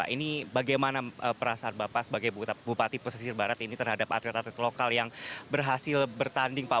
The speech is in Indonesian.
ini bagaimana perasaan bapak sebagai bupati pesisir barat ini terhadap atlet atlet lokal yang berhasil bertanding pak